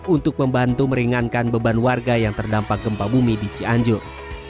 untuk membantu meringankan beban warga yang terdampak gempa bumi di cianjur